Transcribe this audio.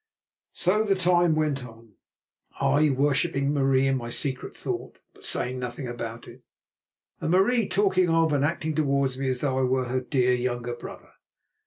So the time went on, I worshipping Marie in my secret thought, but saying nothing about it, and Marie talking of and acting towards me as though I were her dear younger brother.